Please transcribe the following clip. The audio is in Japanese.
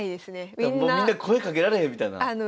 もうみんな声かけられへんみたいな？